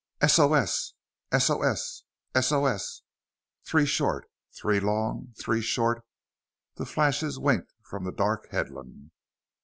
] "S O S. S O S. S O S." Three short, three long, three short, the flashes winked from the dark headland.